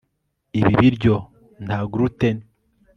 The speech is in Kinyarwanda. Ibi biryo nta gluten